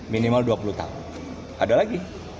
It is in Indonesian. minimal dua puluh tahun ada lagi